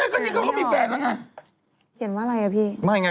คนไหนอ่ะ